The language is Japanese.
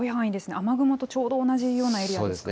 雨雲とちょうど同じようなエリアですね。